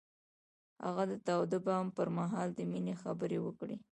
هغه د تاوده بام پر مهال د مینې خبرې وکړې.